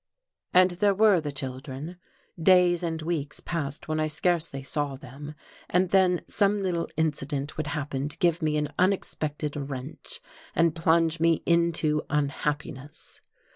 And there were the children. Days and weeks passed when I scarcely saw them, and then some little incident would happen to give me an unexpected wrench and plunge me into unhappiness.